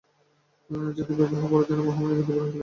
যেদিন বিবাহ তাহার পরদিনই মহামায়া বিধবা হইল।